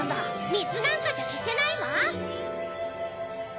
みずなんかじゃけせないわ！